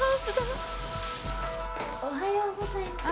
おはようございます。